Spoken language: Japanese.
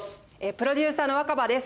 プロデューサーの若葉です。